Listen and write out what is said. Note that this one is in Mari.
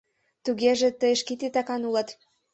— Тугеже тый шке титакан улат.